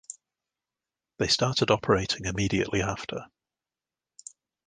They started operating immediately after.